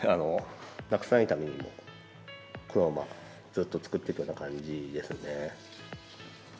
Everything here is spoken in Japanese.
なくさないためにもこのままずっと作っていくような感じですね。